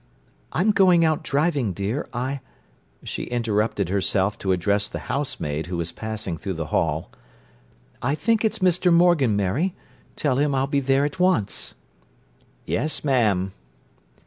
"I'm going out driving, dear. I—" She interrupted herself to address the housemaid, who was passing through the hall: "I think it's Mr. Morgan, Mary. Tell him I'll be there at once." "Yes, ma'am."